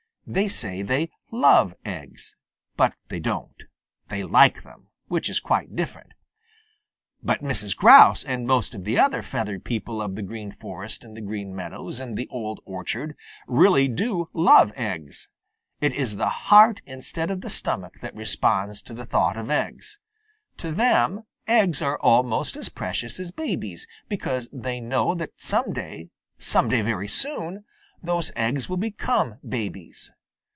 They say they "love" eggs, but they don't. They "like" them, which is quite different. But Mrs. Grouse and most of the other feathered people of the Green Forest and the Green Meadows and the Old Orchard really do "love" eggs. It is the heart instead of the stomach that responds to the thought of eggs. To them eggs are almost as precious as babies, because they know that some day, some day very soon, those eggs will become babies.